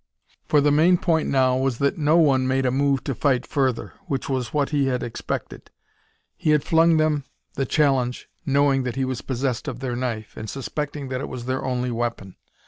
For the main point now was that no one made a move to fight further, which was what he had expected. He had flung them the challenge, knowing that he was possessed of their knife, and suspecting that it was their only weapon.